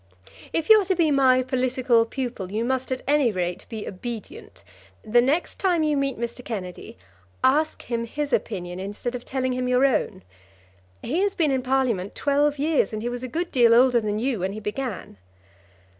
If you are to be my political pupil, you must at any rate be obedient. The next time you meet Mr. Kennedy, ask him his opinion instead of telling him your own. He has been in Parliament twelve years, and he was a good deal older than you when he began."